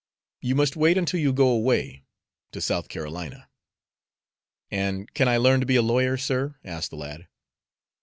You must wait until you go away to South Carolina." "And can I learn to be a lawyer, sir?" asked the lad.